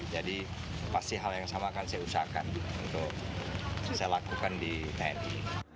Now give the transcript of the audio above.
jadi pasti hal yang sama akan saya usahakan untuk saya lakukan di tni